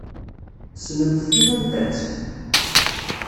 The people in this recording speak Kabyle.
Tessnemt tin anta-tt?